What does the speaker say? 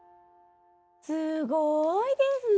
すごいですね！